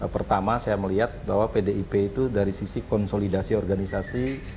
pertama saya melihat bahwa pdip itu dari sisi konsolidasi organisasi